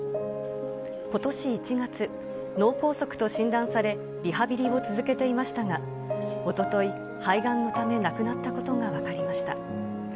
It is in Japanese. ことし１月、脳梗塞と診断され、リハビリを続けていましたが、おととい、肺がんのため亡くなったことが分かりました。